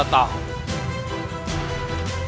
untuk mencari mereka